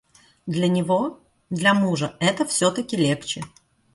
Для него, для мужа, это всё-таки легче.